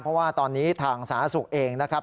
เพราะว่าตอนนี้ทางสาธารณสุขเองนะครับ